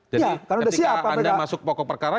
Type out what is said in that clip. jadi ketika anda masuk pokok perkara